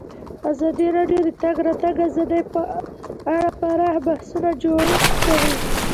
ازادي راډیو د د تګ راتګ ازادي په اړه پراخ بحثونه جوړ کړي.